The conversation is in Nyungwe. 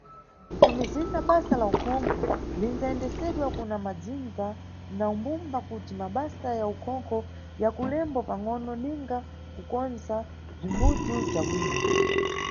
Nʼtumizinda, basa la ukhonkho lindzayendesedwa kuna madzindza na mbumba kuti mabasa ya ukhonkho yakulembo pangʼono ninga kukondza bzimbudzi bza bwino.